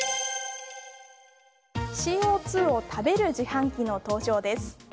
ＣＯ２を食べる自販機の登場です。